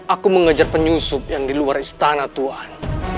aku mengejar penyusup yang di luar istana tuhan